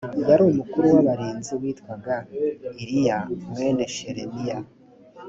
yari umukuru w abarinzi witwaga iriya mwene shelemiya